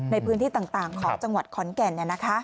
ในพื้นที่ต่างของจังหวัดขอนแก่น